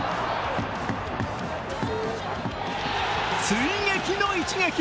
追撃の一撃。